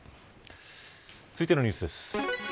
続いてのニュースです。